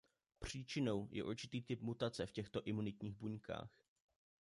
Příčinou je určitý typ mutace v těchto imunitních buňkách.